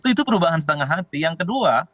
itu perubahan setengah hati yang kedua